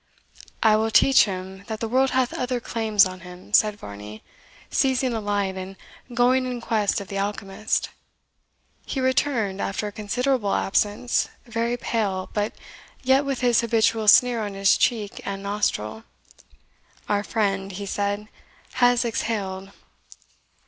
"I will teach him that the world hath other claims on him," said Varney, seizing a light, and going in quest of the alchemist. He returned, after a considerable absence, very pale, but yet with his habitual sneer on his cheek and nostril. "Our friend," he said, "has exhaled."